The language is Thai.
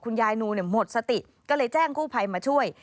ยายนูหมดสติก็เลยแจ้งกู้ภัยมาช่วย